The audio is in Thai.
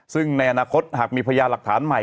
ซึ่งในอนาคตหากมีพยานหลักฐานใหม่